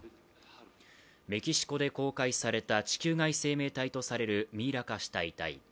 メキシコで公開された地球外生命体とされるミイラ化した遺体。